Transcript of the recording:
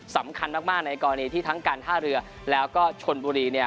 สำคัญมากในกรณีที่ทั้งฮ่าเรือแล้วก็ชนบุรี